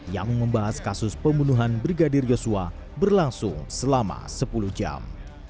yang membahas kasus pembunuhan brigadir yosua berlangsung selama sepuluh jam